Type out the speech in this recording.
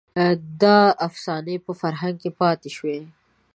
دا افسانې په فرهنګ کې پاتې شوې.